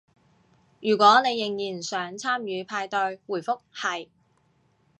如果你仍然想參與派對，回覆係